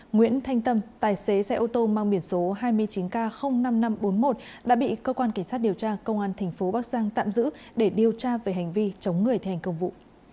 nguyễn thanh tâm tài xế xe ô tô mang biển số hai mươi chín k năm nghìn năm trăm bốn mươi một đã bị cơ quan cảnh sát điều tra công an tp bắc giang tạm giữ để điều tra về hành vi chống người thi hành công vụ